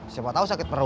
siapa tau sakit perut